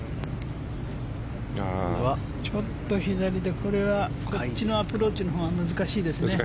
ちょっと左で、これはこっちのアプローチのほうが難しいですね。